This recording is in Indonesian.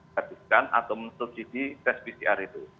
habiskan atau menutupi di tes pcr itu